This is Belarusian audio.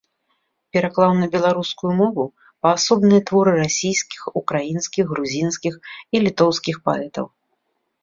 Пераклаў на беларускую мову паасобныя творы расійскіх, украінскіх, грузінскіх і літоўскіх паэтаў.